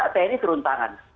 tni turun tangan